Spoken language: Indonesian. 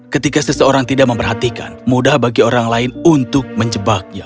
ketika seseorang tidak memperhatikan mudah bagi orang lain untuk menjebaknya